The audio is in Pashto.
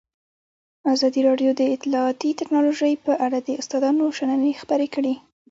ازادي راډیو د اطلاعاتی تکنالوژي په اړه د استادانو شننې خپرې کړي.